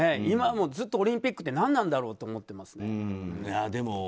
今もオリンピックって何なんだろうって思ってます。